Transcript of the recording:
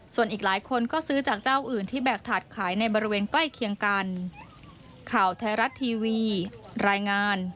ส่วนอีกหลายคนก็ซื้อจากเจ้าอื่นที่แบกถาดขายในบริเวณใกล้เคียงกัน